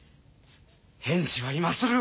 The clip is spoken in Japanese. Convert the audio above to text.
返事は今する。